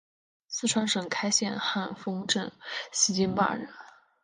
四川省开县汉丰镇西津坝人。